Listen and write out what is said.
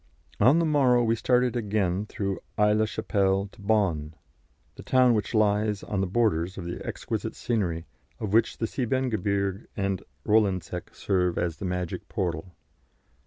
On the morrow we started again through Aix la Chapelle to Bonn, the town which lies on the borders of the exquisite scenery of which the Siebengebirge and Rolandseck serve as the magic portal.